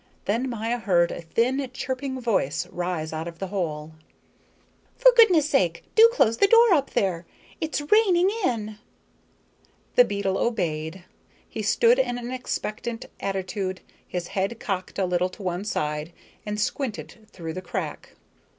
Then Maya heard a thin, chirping voice rise out of the hole. "For goodness' sake, do close the door up there. It's raining in." The beetle obeyed. He stood in an expectant attitude, his head cocked a little to one side, and squinted through the crack.